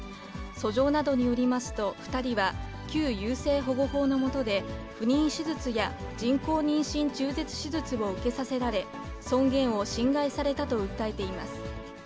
訴状などによりますと、２人は旧優生保護法のもとで、不妊手術や人工妊娠中絶手術を受けさせられ、尊厳を侵害されたと訴えています。